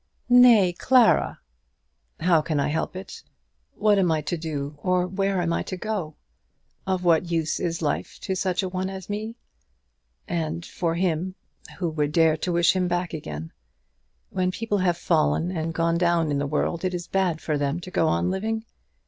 "Nay, Clara." "How can I help it? What am I to do, or where am I to go? Of what use is life to such a one as me? And for him, who would dare to wish him back again? When people have fallen and gone down in the world it is bad for them to go on living.